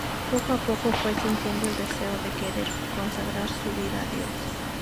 Poco a poco fue sintiendo el deseo de querer consagrar su vida a Dios.